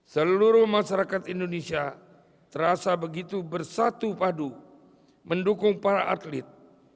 seluruh masyarakat indonesia terasa begitu bersatu padu mendukung para atlet